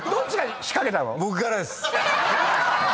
僕からです。